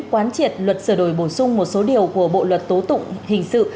quán triệt luật sửa đổi bổ sung một số điều của bộ luật tố tụng hình sự